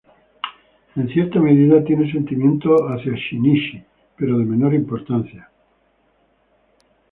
En cierta medida tiene sentimientos hacia Shinichi pero de menor importancia.